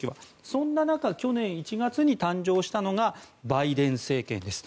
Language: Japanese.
そんな中去年１月に誕生したのがバイデン政権です。